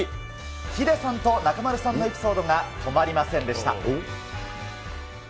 ヒデさんと中丸さんのエピソードが止まりませんでした。